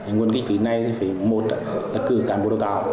nguồn kích phí này thì phải một là cử cản bộ đào tạo